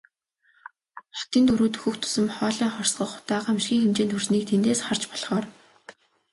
Хотын төв рүү дөхөх тусам хоолой хорсгох утаа гамшгийн хэмжээнд хүрснийг тэндээс харж болохоор.